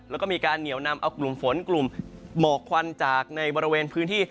แล้วก็มีการเหนียวนำเอากลุ่มฝนกลุ่มหมอกควันจากในบริเวณพื้นที่